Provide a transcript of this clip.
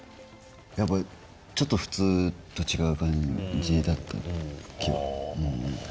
やっぱちょっと普通と違う感じだった気はうん。